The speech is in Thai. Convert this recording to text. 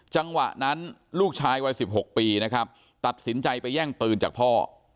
จังหวะนั้นลูกชายวัย๑๖ปีนะครับตัดสินใจไปแย่งปืนจากพ่อ